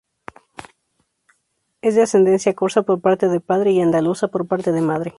Es de ascendencia corsa, por parte de padre, y andaluza, por parte de madre.